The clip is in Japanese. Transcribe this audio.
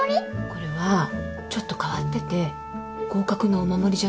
これはちょっと変わってて合格のお守りじゃないの